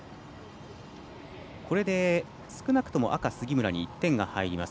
これで少なくとも赤、杉村に１点が入ります。